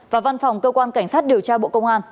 và văn phòng cơ quan cảnh sát điều tra bộ công an